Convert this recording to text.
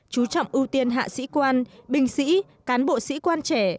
chú trọng ưu tiên hạ sĩ quan binh sĩ cán bộ sĩ quan trẻ